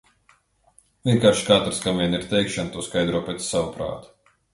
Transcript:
Vienkārši katrs, kam vien ir teikšana, to skaidro pēc sava prāta.